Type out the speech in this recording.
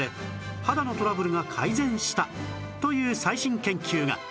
肌のトラブルが改善したという最新研究が